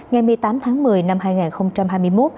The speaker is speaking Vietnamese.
ngày một mươi tám tháng một mươi năm hai nghìn hai mươi một